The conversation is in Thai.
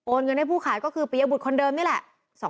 เงินให้ผู้ขายก็คือปียบุตรคนเดิมนี่แหละ